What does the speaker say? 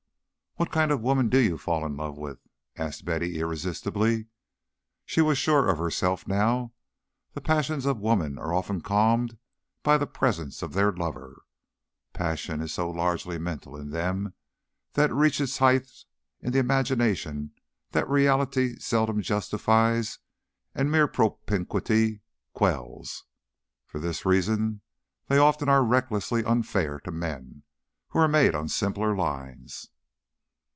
"What kind of women do you fall in love with?" asked Betty, irresistibly. She was sure of herself now. The passions of women are often calmed by the presence of their lover. Passion is so largely mental in them that it reaches heights in the imagination that reality seldom justifies and mere propinquity quells. For this reason they often are recklessly unfair to men, who are made on simpler lines.